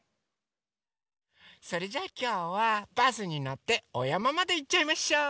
それじゃあきょうはバスにのっておやままでいっちゃいましょう！